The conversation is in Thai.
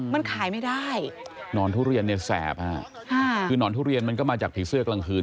มันขายไม่ได้นอนทุเรียนเนี่ยแสบฮะคือนอนทุเรียนมันก็มาจากผีเสื้อกลางคืน